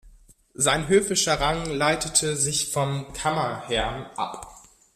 Sein höfischer Rang leitete sich vom Kammerherrn ab.